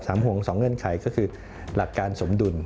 ห่วงสองเงื่อนไขก็คือหลักการสมดุล